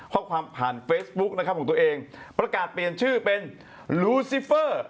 ข้อความผ่านเฟซบุ๊กนะครับของตัวเองประกาศเปลี่ยนชื่อเป็นลูซิเฟอร์